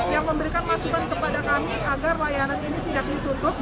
yang memberikan masukan kepada kami agar layanan ini tidak ditutup